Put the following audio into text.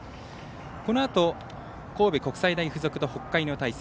このあと神戸国際大付属と北海の対戦。